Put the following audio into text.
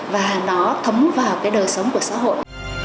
và nó thấm vào cái đời sống của xã hội